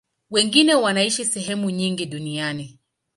Wengine wanaishi sehemu nyingi duniani.